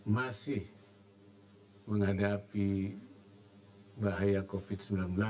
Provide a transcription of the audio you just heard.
masih menghadapi bahaya covid sembilan belas